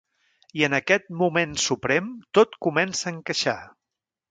I en aquest moment suprem tot comença a encaixar.